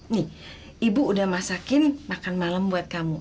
nih ibu udah masakin makan malam buat kamu